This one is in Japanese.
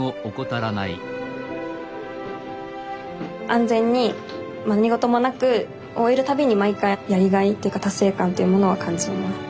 安全に何事もなく終えるたびに毎回やりがいっていうか達成感というものを感じます。